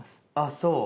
そう？